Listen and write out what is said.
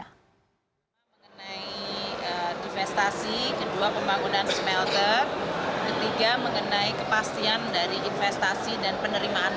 pertama mengenai divestasi kedua pembangunan smelter ketiga mengenai kepastian dari investasi dan penerimaan